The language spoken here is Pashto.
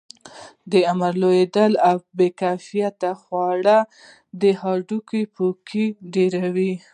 د عمر لوړېدل او بې کیفیته خواړه د هډوکو پوکي ډیروي.